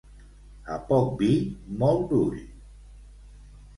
A poc vi, molt ull.